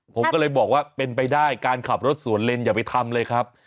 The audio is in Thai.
ผมก็เลยบอกว่าเป็นไปได้การขับรถสวนเลนอย่าไปทำเลยครับ